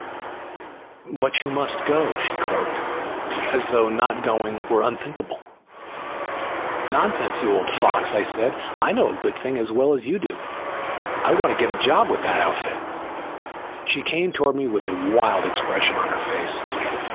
"But you must go!" she croaked as though my not going were unthinkable. "Nonsense, you old fox," I said. "I know a good thing as well as you do. I want to get a job with that outfit." She came toward me with a wild expression on her face.